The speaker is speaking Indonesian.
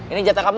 ini jadah kamu